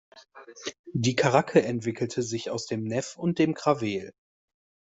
Die Karacke entwickelte sich aus dem Nef und dem Kraweel.